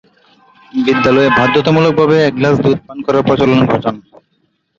বিদ্যালয়ে বাধ্যতামূলকভাবে এক গ্লাস দুধ পান করার প্রচলন ঘটান।